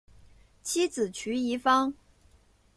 妻子琚逸芳。